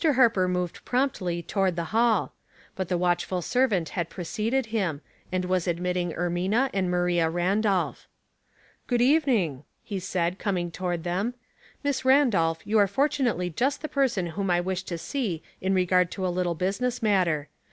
Harper moved promptly to ward the hall ; but the watchful servant had pre ceded him, and was admitting Ermina and Maria Randolph. " Good evening," he said, going toward them. "Miss Randolph, you are fortunately just the person whom I wish to see in regard to a little business matter.